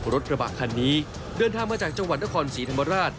รถกระบะคันนี้เดินทางมาจากจังหวัดนครศรีธรรมราช